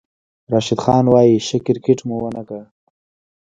راشد خان وايي، "ښه کرېکټ مو ونه کړ"